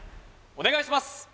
お願いします